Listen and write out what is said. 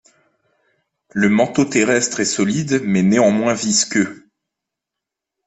Le manteau terrestre est solide mais néanmoins visqueux.